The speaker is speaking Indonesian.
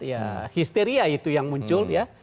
ya histeria itu yang muncul ya